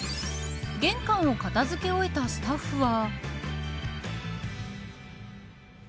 玄関を片付けを終えたスタッフは。